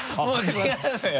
違うのよ